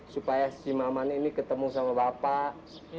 supaya si maman ini ketemu sama bapak